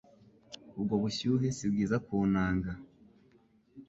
ubwo bushyuhe si bwiza ku ntanga